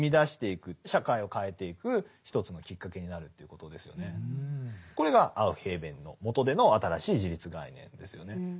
これは要するにこれがアウフヘーベンのもとでの新しい自立概念ですよね。